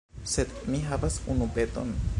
Sed mi havas unu peton.